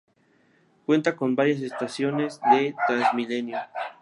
Cuenta con varias estaciones de Transmilenio.